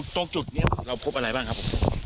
ตรงจุดนี้เราพบอะไรบ้างครับผม